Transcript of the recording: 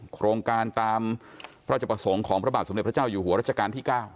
โครงการตามพระราชประสงค์ของพระบาทสมเด็จพระเจ้าอยู่หัวรัชกาลที่๙